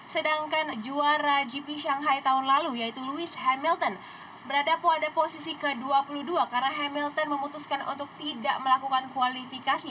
sedangkan juara gp shanghai tahun lalu yaitu louis hamilton berada pada posisi ke dua puluh dua karena hamilton memutuskan untuk tidak melakukan kualifikasi